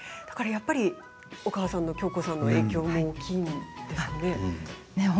だから、やっぱりお母さんの杏子さんの影響も大きいんですね。